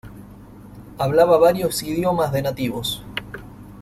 Hablaba varios idiomas de nativos.